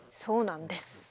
そうなんです。